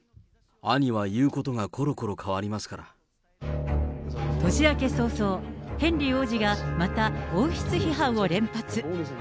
兄は言うことがころころ変わりま年明け早々、ヘンリー王子がまた王室批判を連発。